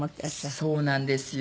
そうなんですよ。